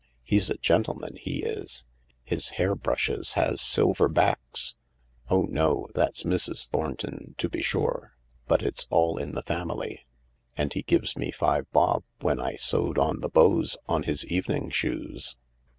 He's a gentleman, he is — his hair brushes has silver backs. Oh no, that's Mrs. Thornton, to be sure, but it's all in the family. And he gives me five bob when I sewed on the bows on his evening shoes."